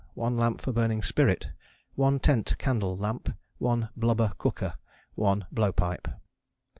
1 Lamp for burning spirit. 1 Tent candle lamp. 1 Blubber cooker. 1 Blowpipe.